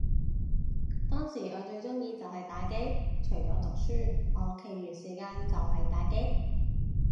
當時我最鍾意就係打機，除咗讀書，我其餘時間就係打機